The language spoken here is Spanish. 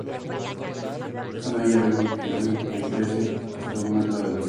Es una hierba perenne que crece hasta un metro de altura.